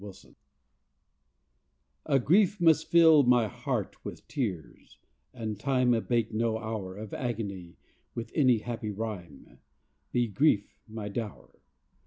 APPORTIONMENT If grief must fill my heart with tears, and Time Abate no hour Of agony with any happy rhyme, Be grief my dower.